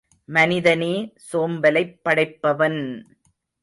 மனிதனே சோம்பலைப் படைப்பவன்!